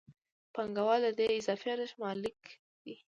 پانګوال د دې اضافي ارزښت مالک دی